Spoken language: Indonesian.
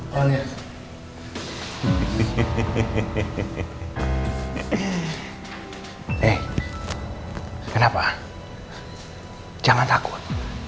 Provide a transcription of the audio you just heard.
hei kenapa jangan takut